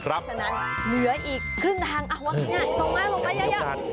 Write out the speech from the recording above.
เพราะฉะนั้นเหลืออีกครึ่งทางว่าง่ายส่งมาส่งมาเยอะ